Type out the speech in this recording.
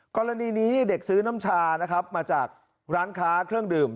กรณีนี้เด็กซื้อน้ำชานะครับมาจากร้านค้าเครื่องดื่ม